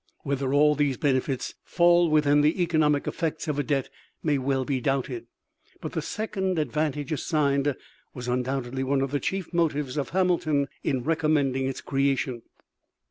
Whether all these benefits fall within the economic effects of a debt may well be doubted, but the second advantage assigned was undoubtedly one of the chief motives of Hamilton in recommending its creation.